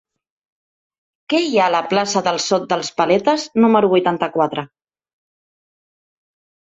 Què hi ha a la plaça del Sot dels Paletes número vuitanta-quatre?